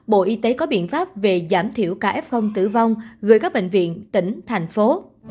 bộ y tế có biện pháp về giảm thiểu ca f tử vong gửi các bệnh viện tỉnh thành phố